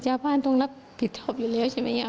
ชาวบ้านต้องรับผิดชอบอยู่แล้วใช่ไหม